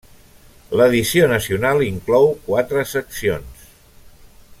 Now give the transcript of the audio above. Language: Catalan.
L'edició nacional inclou quatre seccions: